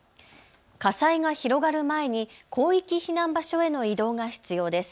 火災が広がる前に広域避難場所への移動が必要です。